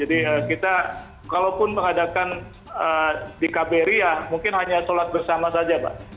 jadi kita kalaupun mengadakan di kbri ya mungkin hanya sholat bersama saja pak